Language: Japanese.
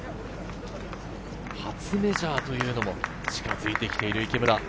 初メジャーというのも近づいてきている、池村。